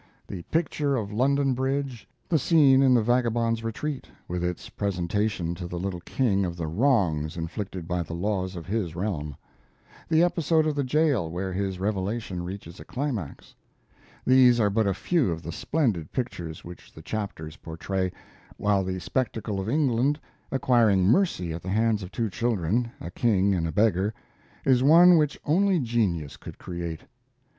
The picture of Old London Bridge; the scene in the vagabond's retreat, with its presentation to the little king of the wrongs inflicted by the laws of his realm; the episode of the jail where his revelation reaches a climax these are but a few of the splendid pictures which the chapters portray, while the spectacle of England acquiring mercy at the hands of two children, a king and a beggar, is one which only genius could create.